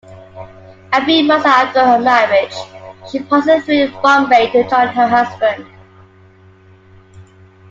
A few months after her marriage, she passes through Bombay to join her husband.